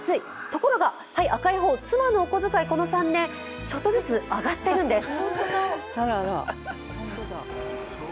ところが赤い方、妻の方のお小遣いは、この３年、ちょっとずつ上がってるんです。